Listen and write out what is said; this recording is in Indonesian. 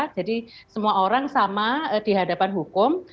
semua orang sama di hadapan hukum